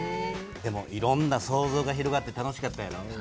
でもいろんな想像が広がって楽しかったやろ？